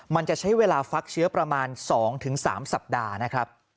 มันจะใช้เวลาฟักเชื้อประมาณ๒๓สัปดาห์นะครับ